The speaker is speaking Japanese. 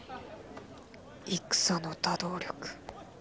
「戦の多動力」。